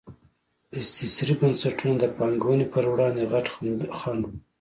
استثري بنسټونه د پانګونې پر وړاندې غټ خنډ وو.